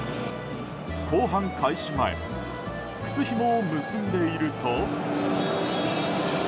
後半開始前靴ひもを結んでいると。